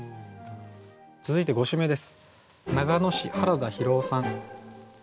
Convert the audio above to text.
続いて５首目です。